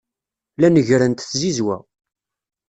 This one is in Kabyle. La neggrent tzizwa.